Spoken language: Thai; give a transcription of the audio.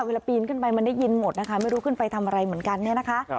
เวลาปีนขึ้นไปมันได้ยินหมดนะคะไม่รู้ขึ้นไปทำอะไรเหมือนกันเนี่ยนะคะ